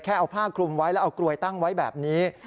เอาผ้าคลุมไว้แล้วเอากลวยตั้งไว้แบบนี้